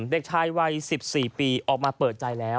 เด็กชายวัย๑๔ปีออกมาเปิดใจแล้ว